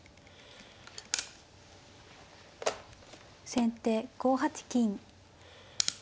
先手５八金。